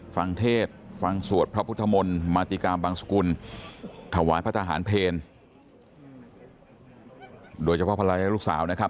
เทศฟังสวดพระพุทธมนต์มาติกาบังสกุลถวายพระทหารเพลโดยเฉพาะภรรยาและลูกสาวนะครับ